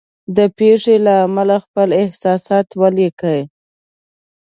د پېښې له امله خپل احساس ولیکئ.